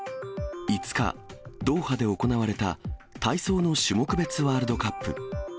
５日、ドーハで行われた体操の種目別ワールドカップ。